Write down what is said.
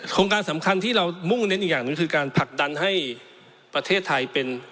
การสำคัญที่เรามุ่งเน้นอีกอย่างหนึ่งคือการผลักดันให้ประเทศไทยเป็น